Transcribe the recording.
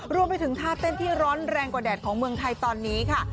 รวมไปถึงท่าเต้นที่ร้อนแรงกว่าแดดของเมืองไทยตอนนี้ค่ะ